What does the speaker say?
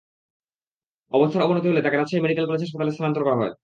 অবস্থার অবনতি হলে তাঁকে রাজশাহী মেডিকেল কলেজ হাসপাতালে স্থানান্তর করা হয়।